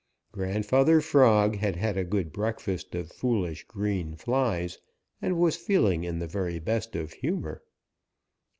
Grandfather Frog had had a good breakfast of foolish green flies and was feeling in the very best of humor.